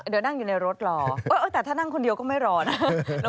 เดี๋ยวนั่งอยู่ในรถรอแต่ถ้านั่งคนเดียวก็ไม่รอนะ